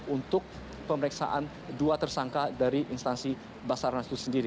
untuk pemeriksaan dua tersangka dari instansi basarnas itu sendiri